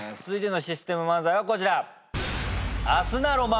続いてのシステム漫才はこちら。